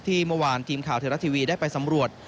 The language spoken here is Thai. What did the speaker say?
เมื่อวานทีมข่าวเทวรัฐทีวีได้ไปสำรวจ